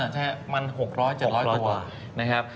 ใช่มัน๖๐๐๗๐๐ตัว